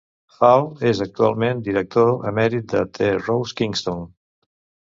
Hall és actualment director emèrit de The Rose Kingston.